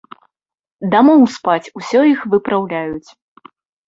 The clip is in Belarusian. Дамоў спаць усё іх выпраўляюць.